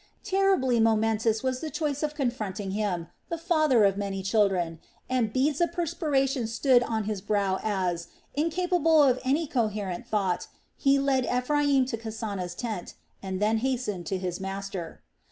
Terribly momentous was the choice confronting him, the father of many children, and beads of perspiration stood on his brow as, incapable of any coherent thought, he led Ephraim to Kasana's tent, and then hastened to his master.